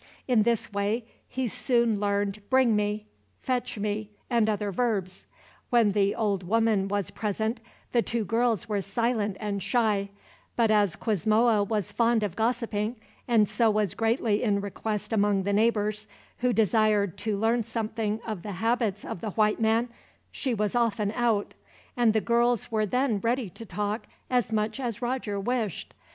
In this way he soon learned "bring me," "fetch me," and other verbs. When the old woman was present, the two girls were silent and shy; but as Quizmoa was fond of gossiping, and so was greatly in request among the neighbors, who desired to learn something of the habits of the white man, she was often out; and the girls were then ready to talk as much as Roger wished.